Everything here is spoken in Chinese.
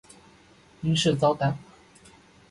因事遭弹劾去世。